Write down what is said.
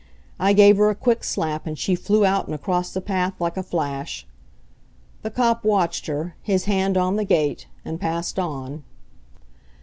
I gave her a quick slap, and she flew out and across the path like a flash. The cop watched her, his hand on the gate, and passed on.